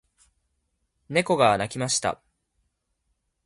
猫が鳴きました。